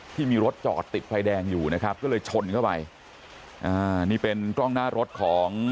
ที่มีรถจอดติดไฟแดงอยู่นะครับก็เลยชนเข้าไปอ่านี่เป็นกล้องหน้ารถของ